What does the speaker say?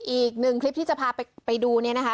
อีกหนึ่งคลิปที่จะพาไปดูเนี่ยนะคะ